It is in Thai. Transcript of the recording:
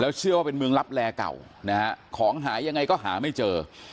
เชื่อว่าเป็นเมืองลับแลเก่านะฮะของหายังไงก็หาไม่เจอ